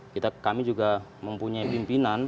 kita kami juga mempunyai pimpinan